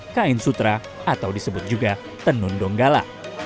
kain sutra atau disebut juga tenun donggala